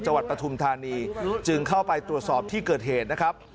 ปฐุมธานีจึงเข้าไปตรวจสอบที่เกิดเหตุนะครับ